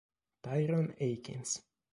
Tyron Akins